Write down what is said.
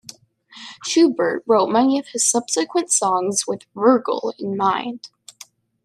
Schubert wrote many of his subsequent songs with Vogl in mind.